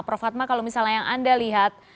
prof fatma kalau misalnya yang anda lihat